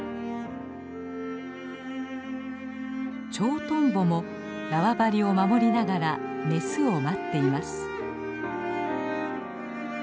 チョウトンボも縄張りを守りながらメスを待っています。